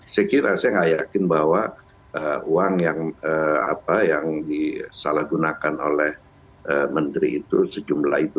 saya kira saya nggak yakin bahwa uang yang disalahgunakan oleh menteri itu sejumlah itu